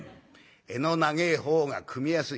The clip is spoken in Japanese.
「柄の長えほうが汲みやすい」。